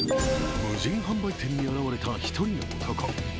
無人販売店に現れた１人の男。